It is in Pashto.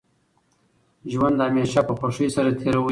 ژوند همېشه په خوښۍ سره تېروئ!